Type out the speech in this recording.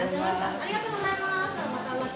ありがとうございます。